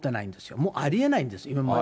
もうありえないんですよ、今まで。